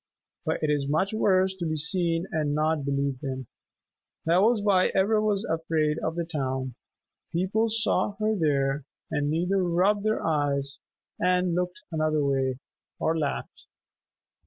But it is much worse to be seen and not believed in. That was why Ivra was afraid of the town. People saw her there and either rubbed their eyes and looked another way, or laughed.